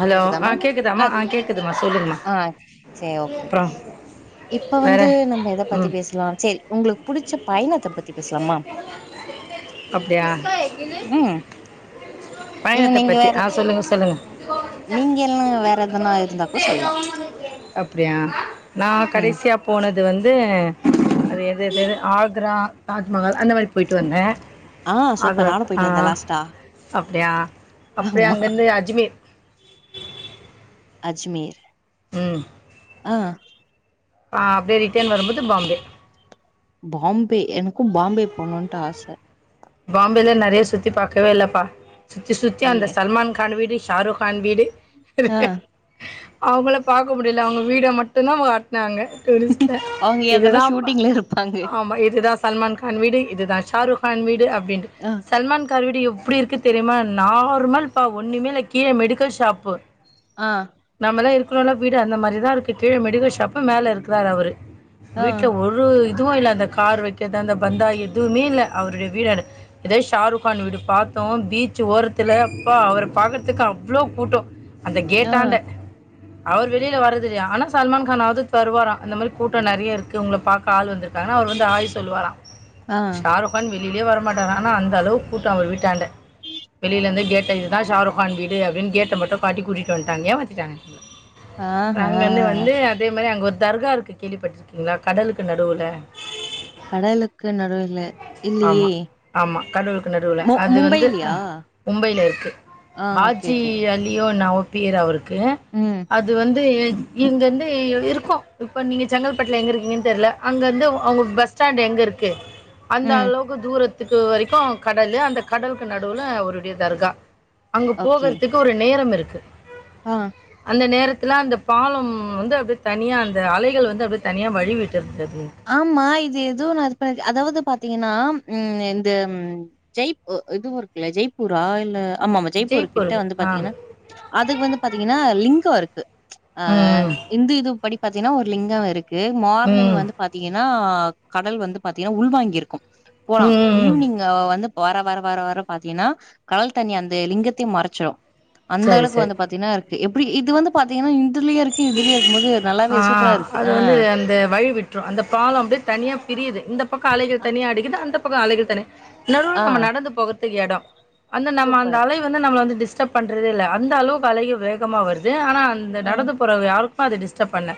Hello கேக்குத ஆ ma'am கேட்குதாம்மா ஆஹ் ஆ கேட்குதுமா சொல்லுங்கம்மா ஆஹ் செரி ஓகே அப்புறம் இப்ப வேற வந்து நம்ம எதை பத்தி பேசலாம் சரி உங்களுக்கு புடிச்ச பயணத்த பத்தி பேசலாமா அப்டியா ம் இல்ல பயணத்த நீங்க பத்தி வேற ஆ சொல்லுங்க சொல்லுங்க நீங்க எல்லா வேற எதனா இருந்தா கூட சொல்லலா அப்டியா நா ம் கடைசியா போனது அது வந்து அது எது என்னது ஆக்ரா தாஜ்மஹால் அந்த மாரி போய்ட்டு வந்தே ஆ அது சூப்பர் நானு போயிட்டு வந்தே ஆஹ் லாஸ்ட்டா அப்டியா அப்டியே ஆமா அங்கருந்து அஜ்மீர் அஜ்மீர் ம் ஆ ஆ அப்டியே ரிட்டர்ன் வரும்போது பாம்பே பாம்பே எனக்கும் பாம்பே போணுன்ட்டு ஆச பாம்பேல நெறய சுத்தி பாக்கவே இல்லப்பா சுத்தி சுத்தி ஏ அந்த சல்மான் கான் வீடு ஷாருக்கான் வீடு ஆ அவங்கள பாக்க முடியல அவங்க வீட மட்டுந்தா காட்னாங்க டூரிஸ்ட்ல அவங்க எதனா இதுதா ஷூட்டிங்ல இருப்பாங்க ஆமா இதுதா சல்மான் கான் வீடு இதுதா ஷாருக் கான் வீடு வேண்டு ஆ சல்மான் கான் வீடு எவ் எப்டி இருக்கு தெரியுமா நார்மல்ப்பா ஒண்ணுமே இல்ல கீழே மெடிக்கல் ஷாப்பு ஆ நம்மள்ளா இருக் ளோள வீடு அந்த மாரிதா இருக்கு கீழ மெடிக்கல் ஷாப்பு மேல இருக்குறாரு அவரு ஆ வீட்ல ஒரு எதுவு இல்ல அந்த கார் வைக்கிறது அந்த பந்தா எதுவுமே இல்ல அவரு வீடறு இதே ஷாருக்கான் வீடு பாத்தோ பீச் ஓரத்துல அப்பா அவர பாக்கறதுக்கு அவ்ளோ கூட்டொ அந்த ஆ கேட்டாண்ட அவர் வெளில வர்ரதில்லையா ஆனா சல்மான் கான்னாவது தருவாரா இந்த மாரி கூட்டம் நெறைய இருக்கு உங்கள பாக்க ஆள் வந்துருக்காங்கன்னா அவர் வந்து ஆய் சொல்லுவாரா ஆ ஷாருக்கான் வெளி ளிலே வரமாட்டாரா ஆனா அந்த அளவு கூட்டொ அவரு வீட்டாண்ட வெளியிலருந்தே கேட் இதுதா ஷாருக்கான் வீடு அப்படின்னு கேட்ட மட்டும் காட்டி கூட்டிட்டு வண்ட்டாங்க ஏமாத்திட்டாங்க ஆஹா அங்கருந்து வந்து அதே மாரி அங்க ஒரு தர்கா இருக்கு கேள்விப்பட்டிடுருக்கீங்களா கடலுக்கு நடுவுல கடலுக்கு நடுவு ஆமா ஆமா கடலுக்கு நடுவுல மு அது வந்து மும்பைலியா மும்பைல இருக்கு ஆ ஓகே ஹாஜி ஓகே. அலியோ நவப்பியர் அவருக் கு ம். அது வந் ந்து இங்க இந்து இருக்கு இப்ப நீங்க செங்கல்பட்டுல எங்க இருக்கீங்கன்னு தெர்ல அங்கருந்து அவ்ங்க பஸ் ஸ்டாண்ட் எங்க இருக்கு அந்த ம். அளவுக்கு தூரத் த்துக்கு வரைக்கு கடலு அந்த கடலுக்கு நடுல அவருடைய தர்கா அங்க ஓகே. போகற்துக்கு ஒரு நேரம் இருக் கு ஆ அந்த நேரத்துல அந்த பாலம் வந்து அப்டியே தனியா அந்த அலைகள் வந்து அப்டியே தனியா வழிவிட்டுருந்தது ஆமா இது ஏதோ நா ப அதாவது பாத்திங்கனா ம் இந்த ஜெய்ப் இதுவு இருக்குல்ல ஜெய்ப்பூரா இல்ல ஆமாமா ஜெய்ப்பூர் கிட்ட வந்து பாத்திங்கனா அதுக்கு வந்து பாத்திங்கனா லிங்க இருக்கு ஆ ம். இந்து இது படி பாத்திங்னா ஒரு லிங்க இருக் கு மார்னிங் ம். வந்து னா கடல் வந்து பாத்திங்னா உள்வாங்கி இருக்கு போலா ம் ஈவினிங் வந்து வர வர வர வர பாத்திங்கனா கடல் தண்ணி அந்த லிங்கத்தையு மறைச்சிரு அந்த சரி அளவுக் சரி வந்து பாத்திங்னா இருக் எப்படி இது வந்து பாத்திங்கனா இந்துலயு இருக்கு இதுலயு இருக்கு ஆ அது ஆ. வந்து அந்த வழி விட் ரு அந்த பால அப்படியே தனியா பிரியுது இந்தப்பக்க அலைகள் தனியா அடிக்குது அந்த பக்க அலைகள் தனியா நடுல ஆ நம்ம நடந்து போக துக்கு எட அந்த நம் அந்த சூப்பர். அலை வந்து நம்மள வந்து டிஸ் டர்ப் பண்றதே இல்ல அந்த அளவுக்கு அலைகள் வேகமா வருது ஆ னா அந்த ஆ நடந்து போற யாருக்கு அது டிஸ் டப் பண்ல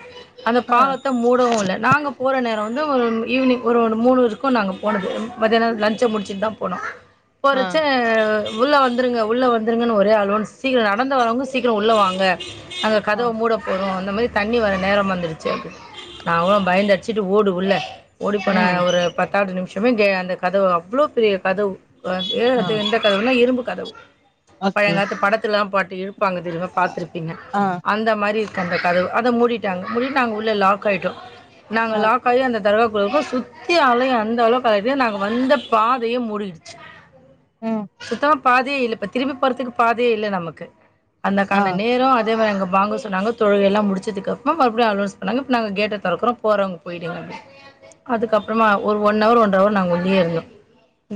அந்த ஆ பாலத்த மூடவு இல்ல நாங்க போற நேர வந்து ஈவினிங் ஒரு ஒரு மூணு இருக்கு நாங்க போனது மதியான லன்ச்ச முடிச்சுட்டுதா போனோ ஆ போறச்ச உள்ள வந்து ருங்க உள்ள வந்துருங்கன்னு ஒரே அனோன்ஸ் சீக்கிர நடந்து வரவங்க சீக்கிர உள்ள வாங்க அங்க ஆ கதவ மூட போறோ அந்த மாரி தண்ணி வர நேரம் வந்துடுச்சு அப்டின் நாங்களு பயந்தடிச்சுட்டு ஓடு உள்ள ஓடிப்போன ம் ஒரு பத்தாவது நிமிஷமே கே அந்த கதவ அவ்ளோ வ்ளோ பெரிய கதவு அ எ ஆ எந்த கதவுனா இரும்பு கதவு ஓகே. பழங்காலத்து படத்துலல்லா பா இழுப்பாங்க தெரிமா பாத்துருப்பீங்க ஆ அந்த மாரி அந்த கதவு அத மூடிட்டாங்க மூடிட் நாங்க உள்ள லாக் ஆய்ட்டோ நாங்க ஆ லாக்க ஆயி அந்த [unintelligible] ளுக்கு சுத்தி அலயு அந்த அளவு [unintelligible] இதே நாங்க வந்த பாதையே மூடிடுச்சு ம் சத்தமா பாதயே இல்ல இப்ப திருப்பி போற்துக்கு பாதயே இல்ல நமக்கு ஆ அந்தக்கான நேரோ அதே மாரி எங்க வாங்க சொன்னாங்க தொழக எல்லா முடிச் ச்சதுக்கப்பறோ மடிபியு அலோன்ஸ் பண்ணாங்க நாங்க கேட்ட தொறக்குறோ போறவங் போயிடுங்க அப்டின் அதுக்கப்புறமா ஒரு ஒன் அவர் ஒன்றவர் நாங்க உள்ளியே இருந்தோ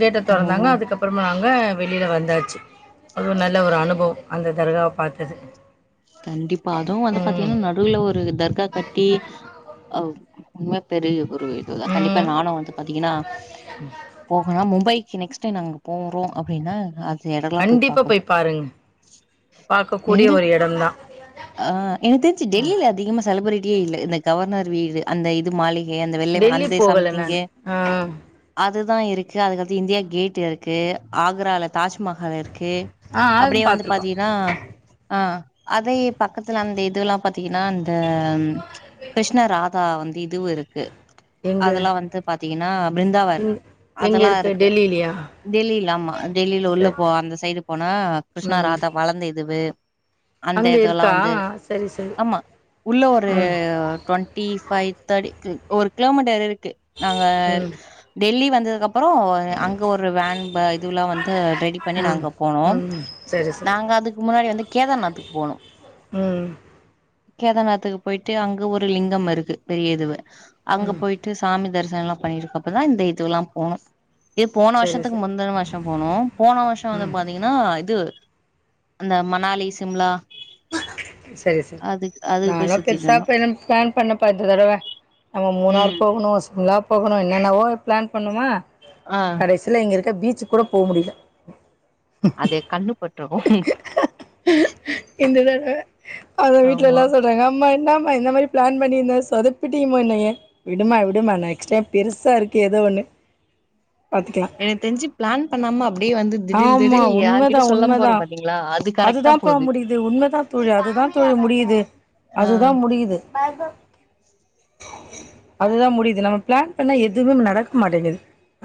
கேட்ட ஓ தொறந்தாங்க அதுக்கப்புறமா நாங்க வெளில வந்தாச்சு அதுவு நல்ல ஒரு அனுபவம் அந்த தர்காவ பாத்தது கண்டிப்பா அதுவு வந்து ம் பாத்தீங்ன்னா நடு வுல ஒரு தர்கா கட்டி அ அவ் நல்லா பெரிய கோ [unintelligible] கண்டிப்பா ம் நானு வந்து பாத்தீங்கன்னா போகனோ மும்பை நெக்ஸ்ட் டைம் நாங்க அங்க போறோ அப்டின்னா அ கண்டிப்பா போய் பாருங்க பாக்க கூடிய ஒரு எ அ எனக் தெரிஞ்சு ம் டெல்லியில அதிகமா செலிபிரிட்டியே இல்ல இந்த கவர்னர் வீடு அந்த இது மாளி டெல்லி போகல நானு அ இது தா இருக்கு அதுக்கடுத்து இந்தியா கேட் இருக்கு ஆக்ரால தாஜ்மஹால் இருக் கு ஆ ஆ அப்டியே வந்து பாத்துருக்கோம் பாத்தீங்ன்னா அ அதே பக்கத்துல அந்த இதுல்லா பாத்தீங்கன்னா அந்த கிருஷ்ண ராதா வந் இதுவு இருக்கு எங்க அதெல்லா வந்து பாத்தீங்கன்னா பிருந்தாவன் எங் எங்க அதெல்லா இருக்கு டெல்லிலயா டெல்லில ஆமா டெல்லியில உள்ள சரி போ அந்த சைடு போனா கிருஷ்ணா ம் ராதா வளந்த இதுவு அந்த அங்க இதெல்லா இருக்கா வந்து சரி சரி ஆமா உள்ள ஒரு ம் ட்வெண்ட்டி ஃபைவ் தேட்டி ம் ஒரு கிலோமீட்டர் இருக் நாங்க ம் டெல்லி வந் [unintelligible] அப்புறோ அங்க ஒரு வேன் ப இதுல்லா வந்து ரெடி பண்ணி ம் நாங்க போனோம் ம் சரி சரி நாங்க அதுக்கு முன்னாடி வந்து வேதாநாத்துக்கு போனு ம் கேதாநாத்துக்கு பொயிட்டு அங்க ஒரு லிங்கம் இருக்கு பெரிய இதுவே அங்க ம் பொயிட்டு சாமி தரிஸ் சனலா பண்ணிருக்கப்பதா இந்த இதுவ்ல்லா போணு இது போன சரி வருஷத்துக்கு சரி முந்தின வருஷொ போனோ போன வருஷொ வந்து ம் பாத்திங்கனா இது அந்த ம னாலி சிம்லா சரி சரி அதுக்கு அதுக்கு போய் நானு சுத்திட்டு பெருசா இருந்தோ பெரும் பிளான் பண்ணப்ப இந்த தடவை நம்ம மூணார் ம் போகணு சிம்லா போகணு என்னென்னவோ பிளான் பண்ணொமா ஆ கடைசியில இங்கருக் த பீச்சுக் கூட போ முடில அதை கண்ணு பற்று இந்த தடவ அத வீட்ல எல்லா சொல்றாங்க அம்மா ன்னாமா இந்த மாதிரி பிளான் பண்ணிருந்த சொதப்பிட்டியேமா என்னய விடுமா விடுமா நெக்ஸ்ட் டைம் பெருசா இருக்கு ஏதோ ஒண்ணு பாத்துக்கலா எனக் தெரிஞ்சி பிளான் பண்ணாம அப்டியே வந்து திடீல் ஆமா திடீல் உண்மதா யார்கிட்ட சொல்ல உண்மதா போறோம் பாத்தீங்களா அது கரெக்டா அதுதாம்ப்பா போது முடியிது உண்மதா தோழி அதுதா தோழி முடியிது ஆ அதுதா முடியிது அதுதா முடியுது நம்ம பிளான் பண்ணா எதுவுமே நடக்க மாட்டேங்குது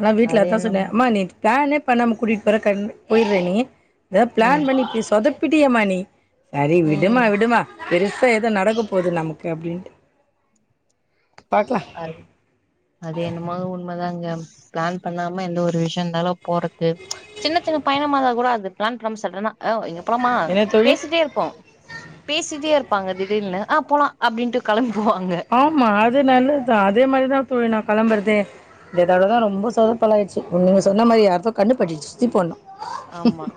நா வீட்ல அது அதான் சொன்னே என்னமோ அம்மா நீட் ப்ளானே பண்ணாம கூட்டிட் புற்க்கண் போய்ர்ர நீ த ம் பிளான் பண்ணி இப்டி சொதப்பிட் டியேமா நீ சரி விடுமா ம் விடுமா பெருசா எதோ நடக்க போது நமக்கு அப்டின்ட் அத் அது என்னமாத் உண் மதாங்க பிளான் பண்ணாம எந்த ஒரு விஷயொருந்தாலு போறத்து சின்ன சின்ன பயணமாருந்தா கூட அது பிளான் பண்ணாம சட்டனா யோவ் பொலமா என்ன தோழி பேசிட்டேருப்போ பேசிட்டேர் பாங்க திடில்னு ஆ போலா அப்டின்ட்டு கெளம்பி போவாங்க தா அதே மாரி தா தோழி நா கெளம்புறதே இந்த தடவ தா ரொம்ப சொதப்பல் ஆய்ச்சி நீங்க சொன்ன மாரி யாருக்கோ கண்ணு பட்டுட்ச் சுத்தி போடணு ஆமா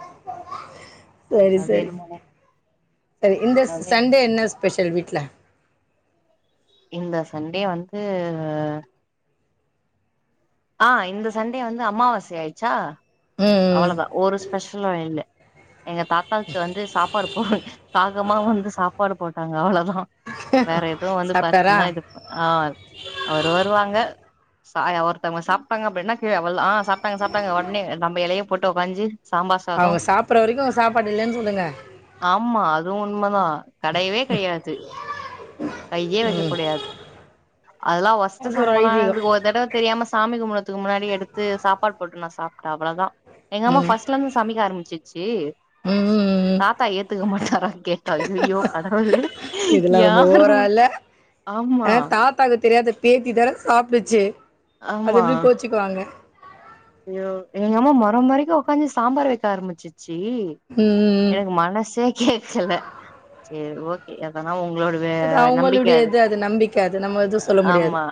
சரி அது சரி என்னமோ சரி இந்த அது சண்டே என்ன ஸ்பெஷல் வீட் ல இந்த சண்டே வந்து ஆஹ் இந்த சண்டே வந்து அமாவாசை ஆச்சா ம் ம் அவ்வளோதா ஒரு ஸ்பெஷலு இல்ல எங்க தாத்தாக்கு வந்து சாப்பாடுப்போடு ஹ கா அப்ரோமா வந்து சாப்பாடு போட்டாங்க அவ்ளோத வேற எதுவு வந்து சாப்ட்டாரா பாத்தீங்ன்னா இது ஆஹ் அவரு வருவாங்க சாய் ஒருத்தவங்க சாப்ட்டாங்க அப்டின்னா கீழ விளல ஆஹ் சாப்டாங்க சாப்டாங்க உடனே நம்ம எளைய போட்டு ஒக்காஞ்சு சாம்பார் சாதோ அவங்க சாப்பிட்ற வரைக்கும் அவங்க சாப்பாடு இல்லைன்னு சொல்லுங்க ஆமா அதுவு உண்மதா கெடையவே கெடையாது கையே வைக்கக்கூடியாது அதுலா வொர்ஸ்ட் அது ஒரு சம்பளா ஐதீகம் நடந்திருக்கு ஒரு தடவ தெரியாம சாமி கும்புடு எல்லாத்துக்கு முன்னாடி எடுத்து சாப்பாடு போட்டு நா சாப்ட்டே அவ்ளவுதான் எங்கம்மா ம் ஃபர்ஸ்ட்ல இருந்து சமைக்க ஆரம்மிச்சு ஏ ம் ம், ம். தாத்தா ஏத்துக்க மாட்டாரா கேட்டா அய்யயோ கடவுளே யா ல ஏ தாத்தாகு தெரியாத பேத்தி தர சாப்டுச்சு அது எப்டி கோச்சுக்குவாங்க யோ எங்க அம்மா மொற மொறக்க உக்காஞ்சி சாம்பார் வைக்க ஆரம்பிச்சுச் சி ம் ம், ம். எனக்கு மனசே கேக்கல சேரி ஓகே எதன ஒன்னு உங்ளோட வ அது நம்பிக்க அவங்களுடைய அது இது நம்பிக்கை அது நம்ம எதுவும் சொல்ல முடியாது ஆமா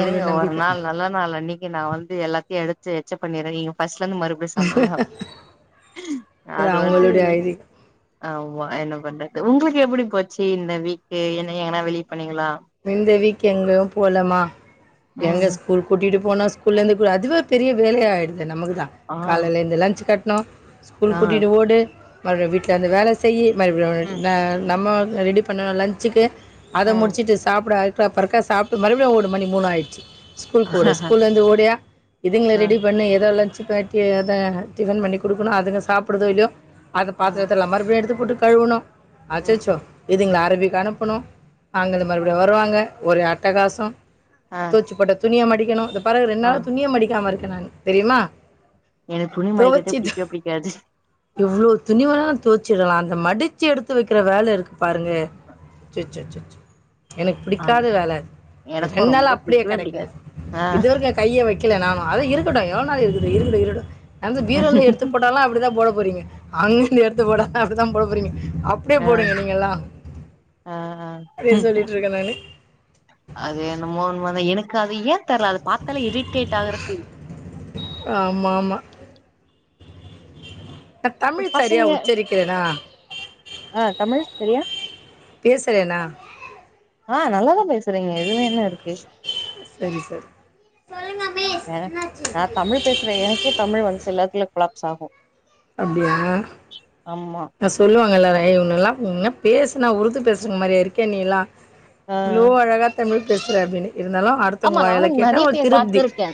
இருங்க ஒரு நம்பிக்கை நாள் நல்ல நாள் அன்னைக்கு நா வந்து எல்லா எடுத்து எச்ச பண்ணிறதீங்க ஃபர்ஸ்ட் உக்காந்து மறுபடியு சமைங்க அது வந்து அவங்களுடைய ஐதீகம் ஆமா என்ன பண்றது உங்ளுக்கு எப்டி போச்சு இந்த வீக் என்ன எங்கன்ன வெளிய போன்னி இந்த வீக் எங்கவு போலமா எங்க ம் ஸ்கூல் கூட்டிட்டு போன ஸ்கூல இருந்து கூ அதுவே பெரிய வேல ஆயிடுது நமக்கு தா ஆ காலையிலஎழுந்து லஞ்ச் கட் னு ஸ்கூல் ஆ கூட்டிட்டு ஓடு மறுபடி வீட்டில வந்து வேல செய்யி ம் [unintelligible] ந நம்மோ நா ரெடி பண்ணுவே லஞ்ச்க்கு அத ம் முடிச்சிட்டு ஸ் [unintelligible] அறக்க பறக்க சாப்ட்டு மறுபடியு ஓடு மணி மூணாயிட்ச்சி ஸ்கூல்க்கு ஓடு ஸ்கூலேந்து ஓடியா இதுங்கள ஆ ரெடி பண்ணி ஏதோ லஞ்ச் [unintelligible] டிஃபன் பண்ணி குடுக்கணு அதுங்க சாப்டுதோ இல்லையோ அத ம் பாத்தரத்தெல்லா மறுபடியு எடுத்துப் போட்டு கழுவணு ம் அச்சச்சோ இதுங்களா [unintelligible] அனுப்பணு வாங்கனத ஆ மறுபடியு வருவாங்க ஒரு அட்டகாசம் ஆ தோச்சி போட்ட துணிய மடிக்கணு இந்த பாருங்க ரெண்ட் ஆ. நாளா துணியே மடிக்காம இருக் [unintelligible] தெரியுமா எனக்கு துணி மடிக்கிறதே புடிக்கவே புடிக்காது எவ்ளோ துணி வேணாலு துவச்சிடலா அந்த மடிச்சி எடுத்து வக்கிற வேல இருக்கு பாருங்க சொச்சொச்சொச்சோ எனக்கு அது புடிக்காத வேல அது அது எனக்கு ரெண்ட் நாளா ரொம்ப அப்டியே பிடிக்கவே கெடக்கு அது பிடிக்காது ஆ இதுவரைக்கு நா கையே வெக் இல்ல நாம அது இருக்குட்டு எவ்ளோ நாள் இருக்குட்டு இருக்கட்டு இருக்கட்டு அந்த பீரோல்ல எடுத்து போட்டாலு அப்டிதா போடப் போறீங்க அங்கருந்து எடுத்து போட்டாலு அப்டி தா போட போறீங்க அப்டியே ஆ போடுங்க நீங்க எல்லா ஆ ஆ அதே சொல்லி அது என்னமோ உண்ம தா எனக்கு அத் [unintelligible] தெர்ல அதா பாத்தாலே இரிட்டேட் ஆகற ஃபீல் ஆமாம் ஆமாம் நா தமிழ் சரியா பசங்க உச்சரிக்கிறேனா ஆ தமிழ் சரியா பேசுறேனா ஆ நல்லாதா பேசுறீங்க இதுல என்ன இருக்கு செரி செரி ஆ நா கொளாப்ஸ் ஆகு அப்டியா ஏ ஆமா ஆ சொல்லுவாங்கல்ல ஏ இவனுவெல்லா இவனுவெல்லா பேசுனா உருது பேசுற மாரியா இருக்கே நீயெல்லா ஆ வ்ளோ அழகா தமிழ் பேசுரா அப்டினி ஆமா நானு நெறைய பேர் பாத்து இருக்கே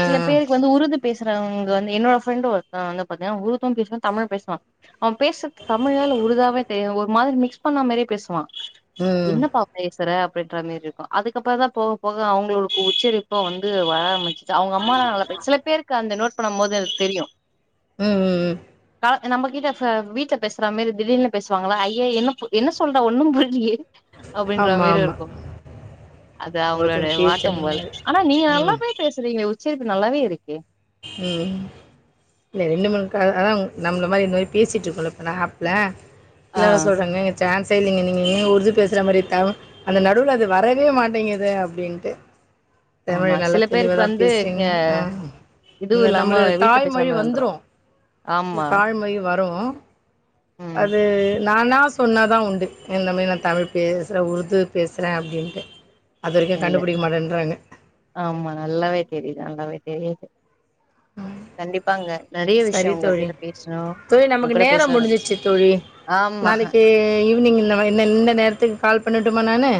ஆ சில பேருக்கு வந்து உருது பேசுறவங்க வந்து என்னோட ஃப் ஃப்ரெண்டு ஒருத்தவ வந்து பாத்தியனா உருது பேசுவா தமிழ் பேசுவா அவ பேசுறது தமிழா உருதாவே தெரியது ஒரு மாரி மிக்ஸ் பண்ண மாரியே பேசுவா ம் என்னப்பா பேசுற பின்ட்ற மாரி இருக்கு அதுக்கப்புறோ தா போ போக அவங்களுக்கு உச்சரிப்பு வந்து வர ஆரம்பிச் ச அவங்க அம்மா நா நல்லா பேச் சில பேருக்கு அந்த நோட் பண்ண போது அது தெரியு உம் உம் உம் க நம்ம கிட்ட ச வீட்ல பேசுற மாரி திடீர்னு பேசுவாங்களா ஐய என்னப் என்ன சொல்றா ஒன்னு புரிலியே அப்டின்ற ஆமா மாரி ஆமா இருக்கு அது அவ் ஒருத்தங்க உங்களோடய பேச்சு வாட்டம் அந்த போல மாரி ஆனா நீ ம் நல்லாவே பேசுறீங்களே உ சரி இப்ப நல்லாவே இருக்கே உஹ்ம் இல்ல ரெண்டு மூணு கா ஆ நம்மள மாரி இந்த மாரி பேசிட்டு இருக்கோல இப்ப நா ஆப்ல ஆ சிலர்ல்லா சொல்றாங்க சான்சே இல்லைங்க நீங்க எங்க உருது பேசுற மாரி தவ் அந்த நடுவுல அது வரவே மாட்டேங்குது அப்டின்ட்டு ஆமா தமிழ் நல்லா சில பேருக்கு தெளிவதா வந்து பேசுறீங்க ஆஹ் இதுவு அந்த இல்லாம நம்மளோட வீட்ல பேசுற தாய்மொழி மாரி வந்துரு ஆமா தாய்மொழி வரு ம் அது நானா சொன்னாதா உண்டு இந்த மாரி நா தமிழ் பேசுறே உருது பேசுறே அப்டின்ட்டு இல்லக்கா ஆமா நல்லாவே தெரிது நல்லாவே தெரி ம் நெறைய விஷயோ சரி தோழி உங்ககிட்ட பேசணு தோழி உங்க நமக்கு கூட நேர பேச ரொம்ப முடிஞ்சிச்சு தோழி ஆமா நாளைக்கு ஈவினிங் இந்த மா இந்த இந்த நேரத்துக்கு கால் பண்ணட்டு மா நானு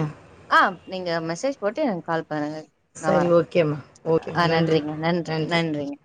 ஆஹ் நீங்க மெசேஜ் போட்டு கால் பண்ணுங்க நா சரி வரே ஓகேம்மா ஓகேம்மா ஆஹ் நன்றி நன்றிங்க நன்றிங்க நன்றி நன்றிங்க